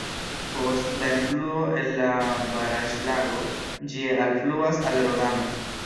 Post la elfluo el la baraĵlago ĝi alfluas al Rodano.